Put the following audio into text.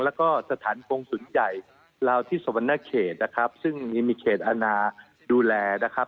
แล้วก็สถานกงศูนย์ใหญ่ลาวที่สวรรณเขตนะครับซึ่งมีเขตอาณาดูแลนะครับ